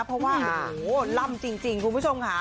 เพราะว่าโอ้โหล่ำจริงคุณผู้ชมค่ะ